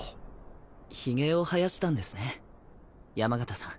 ひげを生やしたんですね山県さん。